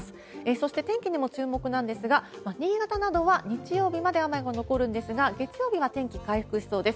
そして天気にも注目なんですが、新潟などは日曜日まで雨が残るんですが、月曜日は天気回復しそうです。